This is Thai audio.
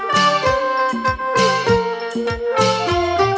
เธอไม่รู้ว่าเธอไม่รู้